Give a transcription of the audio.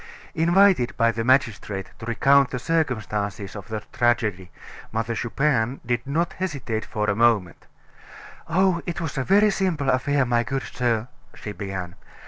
Invited by the magistrate to recount the circumstances of the tragedy, Mother Chupin did not hesitate for a moment. "Oh, it was a very simple affair, my good sir," she began.